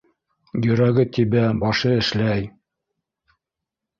Йөрәге тибә, башы эшләй.